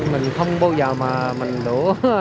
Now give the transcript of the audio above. mình không bao giờ mà mình đổ